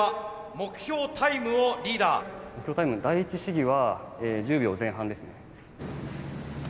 目標タイム第一試技は１０秒前半ですね。